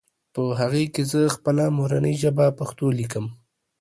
په هغې کې زهٔ خپله مورنۍ ژبه پښتو ليکم